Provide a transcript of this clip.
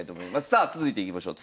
さあ続いていきましょう。